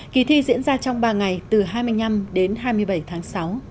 kỳ thi diễn ra trong ba ngày từ hai mươi năm đến hai mươi bảy tháng sáu